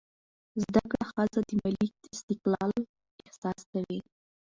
زده کړه ښځه د مالي استقلال احساس کوي.